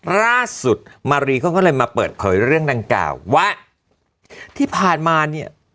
ล่าสุดมารีเขาก็เลยมาเปิดเผยเรื่องดังกล่าวว่าที่ผ่านมาเนี่ย